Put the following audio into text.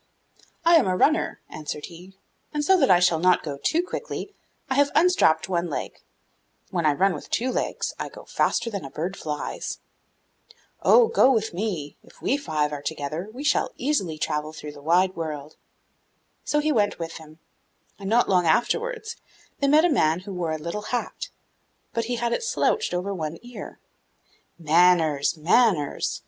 'I am a runner,' answered he; 'and so that I shall not go too quickly, I have unstrapped one leg; when I run with two legs, I go faster than a bird flies.' 'Oh, go with me; if we five are together, we shall easily travel through the wide world.' So he went with him, and, not long afterwards, they met a man who wore a little hat, but he had it slouched over one ear. 'Manners, manners!